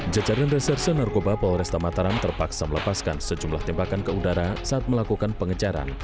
jajaran reserse narkoba polresta mataram terpaksa melepaskan sejumlah tembakan ke udara saat melakukan pengejaran